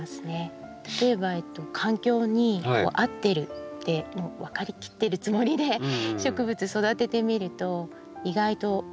例えば環境に合ってるって分かりきってるつもりで植物育ててみると意外とそこの環境